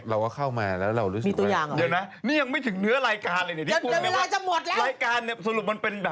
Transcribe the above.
เราก็เข้ามาแล้วเรารู้สึกว่าเดี๋ยวนะนี่ยังไม่ถึงเนื้อรายการเลยเนี่ยที่ภูมิรายการเนี่ยสรุปมันเป็นแบบยังไง